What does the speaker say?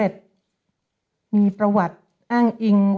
ด้วยสิ่งที่ทำทันทีนะคะ